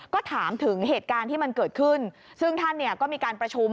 ก็ถามถึงเหตุการณ์ที่มันเกิดขึ้นซึ่งท่านเนี่ยก็มีการประชุม